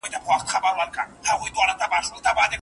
آیا کابل تر کندهار ډېر نفوس لري؟